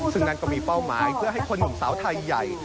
ซึ่งนั่นก็มีเป้าหมายเพื่อให้คนหนุ่มสาวไทยใหญ่